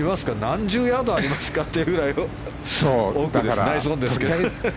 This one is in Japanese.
何十ヤードありますかっていうぐらい奥ですけど。